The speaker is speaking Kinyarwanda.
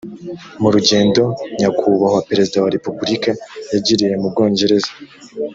mu rugendo nyakubahwa perezida wa repubulika yagiriye mu bwongereza